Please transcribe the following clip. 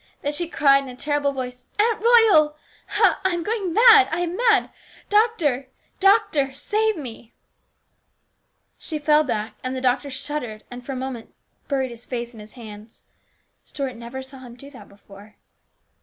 Then she cried in a terrible voice : "Aunt Royal ! Hal ! I am going mad ! I am mad ! Doctor ! doctor ! save me !" She fell back, and the doctor shuddered and for a STEWARDSHIP. 317 second buried his face in his hands. Stuart never saw him do that before.